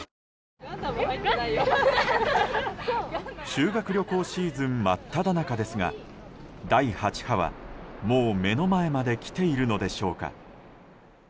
修学旅行シーズン真っただ中ですが第８波は、もう目の前まで来ているのでしょうか。